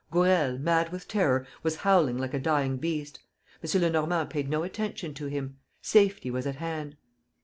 Gourel, mad with terror, was howling like a dying beast. M. Lenormand paid no attention to him. Safety was at hand.